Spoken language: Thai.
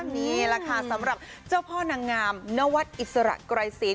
นี่แหละค่ะสำหรับเจ้าพ่อนางงามนวัดอิสระไกรศีล